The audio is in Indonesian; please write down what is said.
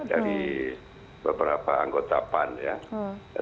dari beberapa anggota pan ya